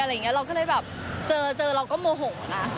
เราก็เลยแบบเจอเราก็โมโหนะ